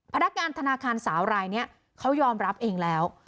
พนักงานธนาคารสาวรายนี้เขายอมรับเองแล้ว